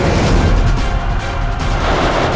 aku akan terus memburumu